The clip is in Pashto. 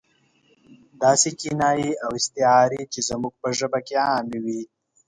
داسې کنایې او استعارې چې زموږ په ژبه کې عامې وي.